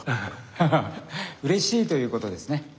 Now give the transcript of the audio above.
ハハッ「うれしい」ということですね？